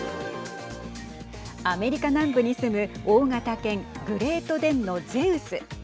アメリカ南部に住む大型犬グレートデンのゼウス。